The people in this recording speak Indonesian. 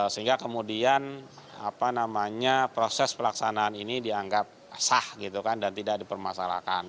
sehingga kemudian proses pelaksanaan ini dianggap sah gitu kan dan tidak dipermasalahkan